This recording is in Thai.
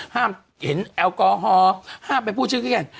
ห้ามเห็นแอลกอลฮอล์ห้ามไปพูดชื่อกัน